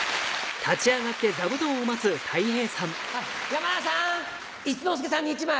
山田さん一之輔さんに１枚。